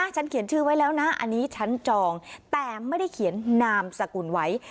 ฉันเขียนชื่อไว้แล้วนะอันนี้ฉันจองแต่ไม่ได้เขียนนามสกุลไว้